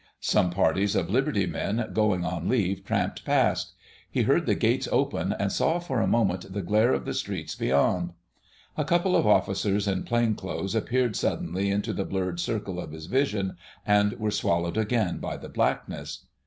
Some parties of liberty men going on leave tramped past: he heard the gates open and saw for a moment the glare of the streets beyond. A couple of officers in plain clothes appeared suddenly into the blurred circle of his vision and were swallowed again by the blackness.